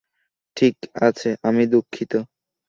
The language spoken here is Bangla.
ঠিক আছে, আমি দুঃখিত।